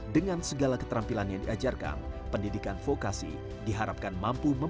dengan segala keterampilan yang diajarkan pendidikan vokasi diharapkan mampu memperbaiki